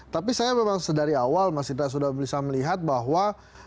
tapi saya memang sedari awal mas indra sudah bisa melihat bahwa